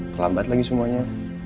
kelambat lagi semuanya